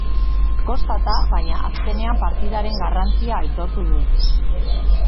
Kostata, baina azkenean partidaren garrantzia aitortu du.